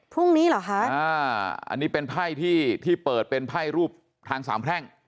พรุ่งนี้เหรอคะอ่าอันนี้เป็นไพ่ที่ที่เปิดเป็นไพ่รูปทางสามแพร่ง